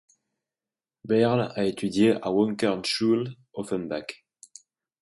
Bayrle a étudié à la Werkkunstschule Offenbach.